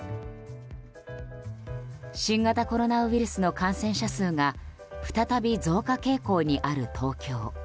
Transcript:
新型コロナウイルスの感染者数が再び増加傾向にある東京。